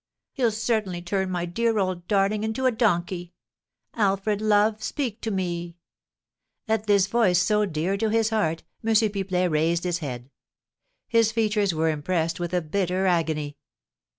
He'll certainly turn my dear old darling into a donkey! Alfred, love, speak to me!" At this voice, so dear to his heart, M. Pipelet raised his head. His features were impressed with a bitter agony.